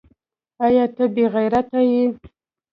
ایا ته بې غیرته یې ؟